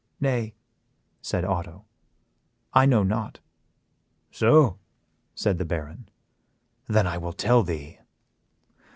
"Nay," said Otto, "I know not." "So?" said the Baron. "Then I will tell thee.